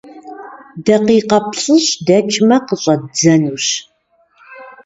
Дакъикъэ плӀыщӀ дэкӀмэ, къыщӀэддзэнущ.